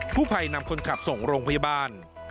ผู้ภัยนำคนขับส่งโรงพยาบาล